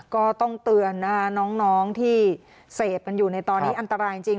ก็ต้องเตือนนะคะน้องที่เสพกันอยู่ในตอนนี้อันตรายจริง